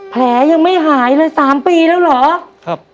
แผลยังไม่หายเลย๓ปีแล้วเหรอครับ